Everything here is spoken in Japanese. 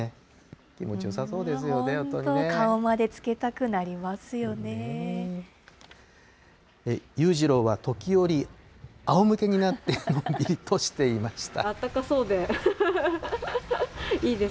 気持ちよさそうですよね、やっぱ本当、顔までつけたくなりまゆうじろうは時折、あおむけになってのんびりとしていました。